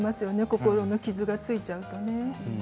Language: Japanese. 心の傷がついちゃって。